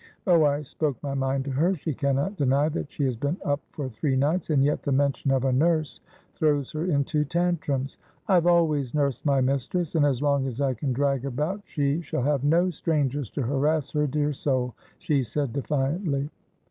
Oh, I spoke my mind to her. She cannot deny that she has been up for three nights, and yet the mention of a nurse throws her into tantrums. 'I have always nursed my mistress, and as long as I can drag about she shall have no strangers to harass her dear soul,' she said, defiantly.